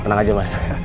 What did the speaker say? tenang aja mas